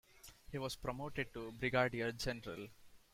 He was promoted to brigadier general.